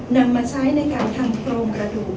นำมาใช้ในการทำโครงกระดูก